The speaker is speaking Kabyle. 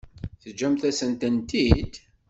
Teǧǧamt-asent-tent-id?